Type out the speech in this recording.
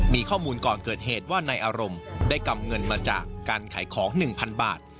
มีข้อมูลก่อนเกิดเหตุว่านายอารมณ์ได้กำเงินมาจากการขายของ๑๐๐๐บาท